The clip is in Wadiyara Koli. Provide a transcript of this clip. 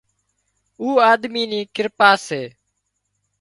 اُو آۮمي ني ڪرپا سي